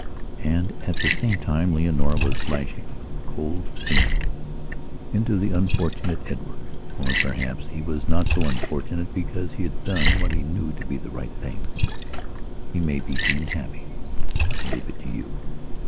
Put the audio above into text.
And, at the same time, Leonora was lashing, like a cold fiend, into the unfortunate Edward. Or, perhaps, he was not so unfortunate; because he had done what he knew to be the right thing, he may be deemed happy. I leave it to you.